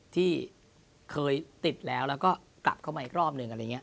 ที่เคยติดแล้วแล้วก็กลับเข้าใหม่อีกรอบหนึ่ง